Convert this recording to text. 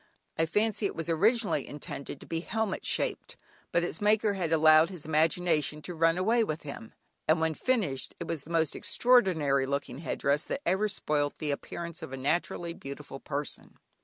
I fancy it was originally intended to be helmet shaped, but its maker had allowed his imagination to run away with him, and when finished, it was the most extraordinary looking headdress that ever spoilt the appearance of a naturally beautiful person.